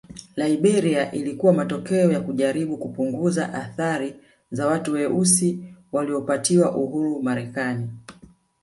Liberia ilikuwa matokeo ya kujaribu kupunguza athari za watu weusi waliopatiwa uhuru Marekani